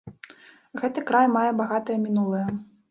Гэты край мае багатае мінулае.